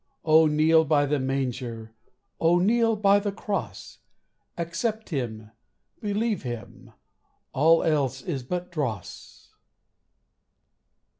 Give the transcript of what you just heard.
Oh, kneel by the manger, Oh, kneel by the cross; Accept him, believe him, All else is but dross.